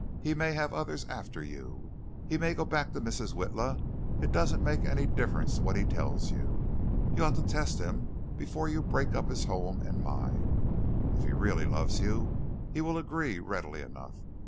He may have others after you. He may go back to Mrs. Witla. It doesn't make any difference what he tells you. You ought to test him before you break up his home and mine. If he really loves you, he will agree readily enough.